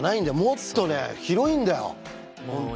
もっとね広いんだよ